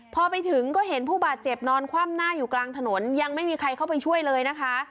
พอไปถึงก็เห็นผู้บาดเจ็บนอนคว่ำหน้าอยู่กลางถนนยังไม่มีใครเข้าไปช่วยเลยนะคะ